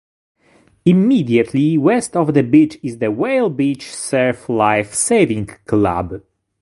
Immediately west of the beach is the Whale Beach Surf Life Saving Club.